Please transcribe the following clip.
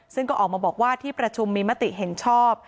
ซึ่งก็ออกมาบอกว่าที่ประชุมมีมติเห็นชอบ